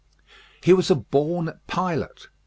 He was a born pilot.